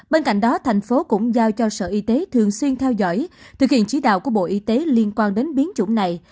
bên cạnh đó thành phố cũng giao cho sở y tế thường xuyên theo dõi thực hiện chỉ đạo của bộ y tế liên quan đến biến chủng này